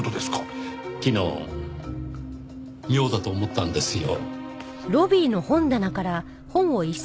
昨日妙だと思ったんですよ。